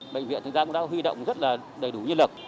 bệnh viện thực ra cũng đã huy động rất là đầy đủ nhân lực